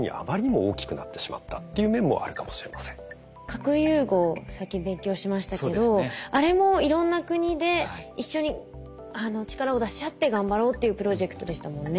核融合を最近勉強しましたけどあれもいろんな国で一緒に力を出し合って頑張ろうっていうプロジェクトでしたもんね。